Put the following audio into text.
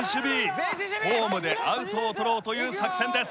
ホームでアウトを取ろうという作戦です。